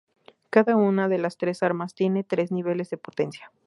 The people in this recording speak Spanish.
Cada una de las tres armas tiene tres niveles de potencia.